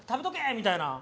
みたいな。